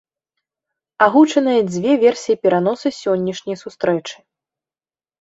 Агучаныя дзве версіі пераносу сённяшняй сустрэчы.